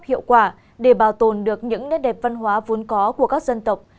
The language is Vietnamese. hiệu quả để bảo tồn được những nét đẹp văn hóa vốn có của các dân tộc